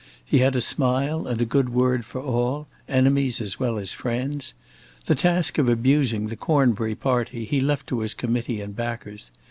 He had a smile and a good word for all, enemies as well as friends. The task of abusing the Cornbury party he left to his committee and backers.